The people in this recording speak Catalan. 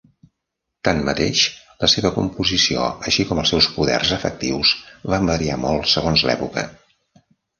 Tanmateix, la seva composició així com els seus poders efectius van variar molt segons l'època.